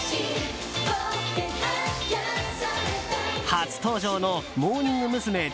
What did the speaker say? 初登場のモーニング娘。